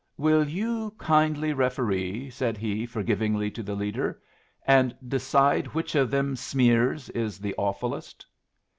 "Will you kindly referee," said he, forgivingly, to the leader, "and decide which of them smears is the awfulest?"